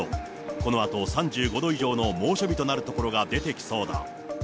このあと３５度以上の猛暑日となる所が出てきそうだ。